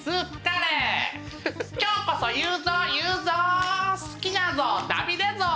今日こそ言うぞ言うぞ好きだぞダビデ像。